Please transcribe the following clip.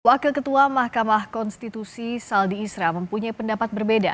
wakil ketua mahkamah konstitusi saldi isra mempunyai pendapat berbeda